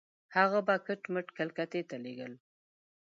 هغه به کټ مټ کلکتې ته لېږل.